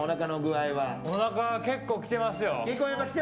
おなかは結構きてますよ。